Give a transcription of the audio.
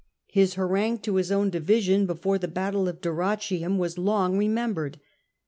His harangue to his own division before the battle of Dyrrhachium was long remembered.